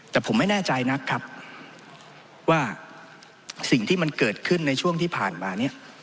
แต่ผมไม่แน่ใจนักครับว่าสิ่งที่มันเกิดขึ้นในช่วงที่ผ่านมาเนี่ย